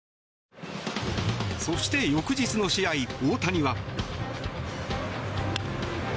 そして翌日の試合、大谷は。